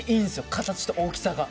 形と大きさが。